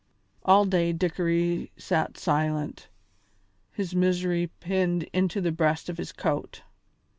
All day Dickory sat silent, his misery pinned into the breast of his coat.